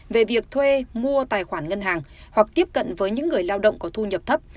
về việc thuê mua tài khoản ngân hàng hoặc tiếp cận với những người lao động có thu nhập thấp